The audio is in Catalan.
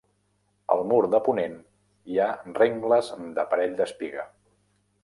Al mur de ponent hi ha rengles d'aparell d'espiga.